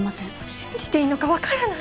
信じていいのかわからない！